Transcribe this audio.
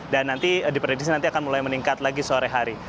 dan nanti diprediksi nanti akan mulai meningkat lagi sore hari